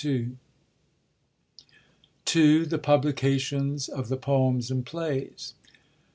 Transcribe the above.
(2) The publications of the Poems and Plays.